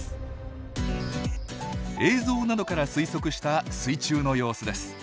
映像などから推測した水中の様子です。